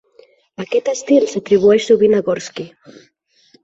Aquest estil s'atribueix sovint a Gorsky.